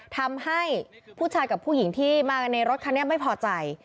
ทำให้ผู้ชายกับผู้หญิงที่มากันในรถคันนี้ไม่พอใจ